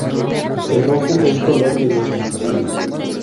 El rojo es el color de nuestro interior.